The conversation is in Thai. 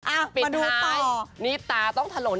อ้าวมาดูต่อปิดท้ายนี่ตาต้องถล่น